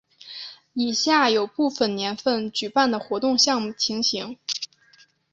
以下有部分年份举办的活动项目情形。